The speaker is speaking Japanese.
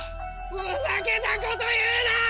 ふざけたこと言うなぁ！